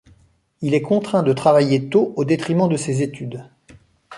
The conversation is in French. Il est contraint de travailler tôt au détriment de ses études.